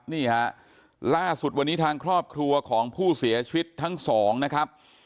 นี่ฮะล่าสุดวันนี้ทางครอบครัวของผู้เสียชีวิตทั้งสองนะครับ